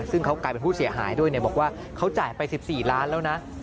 ซึ่งเขากลายเป็นผู้เสียหายด้วยบอกว่าเขาจ่ายไป๑๔ล้านแล้วนะ